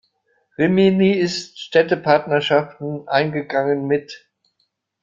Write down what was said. Rimini ist Städtepartnerschaften eingegangen mit